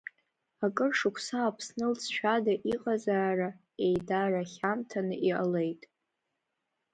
Акыр шықәса Аԥсны лҵшәада иҟазаара, еидара хьамҭаны иҟалеит.